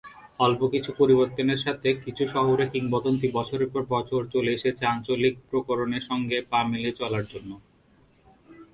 অল্প কিছু পরিবর্তনের সাথে কিছু শহুরে কিংবদন্তি বছরের পর বছর চলে এসেছে আঞ্চলিক প্রকরণের সঙ্গে পা মিলিয়ে চলার জন্য।।